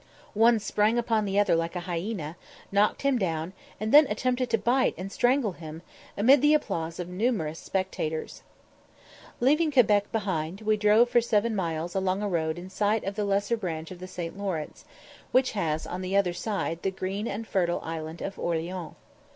One sprang upon the other like a hyena, knocked him down, and then attempted to bite and strangle him, amid the applause of numerous spectators. Leaving Quebec behind, we drove for seven miles along a road in sight of the lesser branch of the St. Lawrence, which has on the other side the green and fertile island of Orleans.